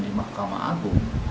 di mahkamah agung